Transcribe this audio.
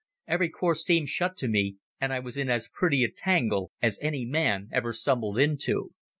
Every course seemed shut to me, and I was in as pretty a tangle as any man ever stumbled into.